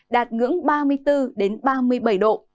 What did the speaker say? đạt ngưỡng ba mươi bốn ba mươi bảy độ